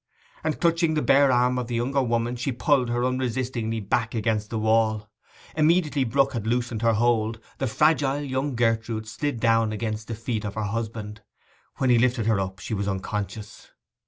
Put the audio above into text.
And clutching the bare arm of the younger woman, she pulled her unresistingly back against the wall. Immediately Brook had loosened her hold the fragile young Gertrude slid down against the feet of her husband. When he lifted her up she was unconscious.